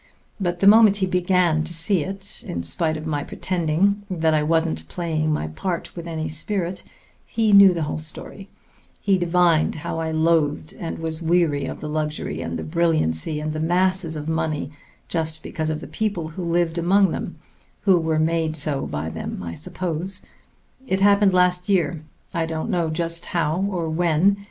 But the moment he began to see, in spite of my pretending, that I wasn't playing my part with any spirit, he knew the whole story; he divined how I loathed and was weary of the luxury and the brilliancy and the masses of money just because of the people who lived among them who were made so by them, I suppose.... It happened last year. I don't know just how or when.